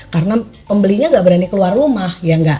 karena pembelinya gak berani keluar rumah